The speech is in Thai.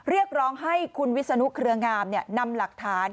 เรียกร้องให้คุณวิศนุเครืองามนำหลักฐาน